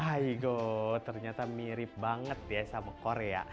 go ternyata mirip banget ya sama korea